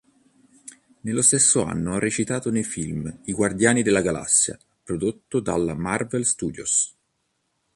Nello stesso anno ha recitato nei film "Guardiani della Galassia" prodotto dalla Marvel Studios.